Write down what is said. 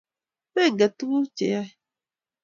menget tuguk cheyoe